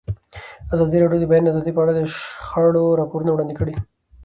ازادي راډیو د د بیان آزادي په اړه د شخړو راپورونه وړاندې کړي.